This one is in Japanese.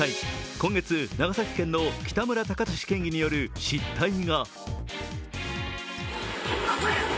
今月、長崎県の北村貴寿県議による失態が。